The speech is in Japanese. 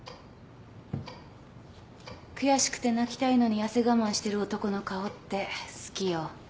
悔しくて泣きたいのに痩せ我慢してる男の顔って好きよ。